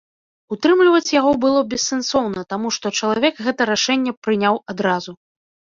Утрымліваць яго было бессэнсоўна, таму што чалавек гэта рашэнне прыняў адразу.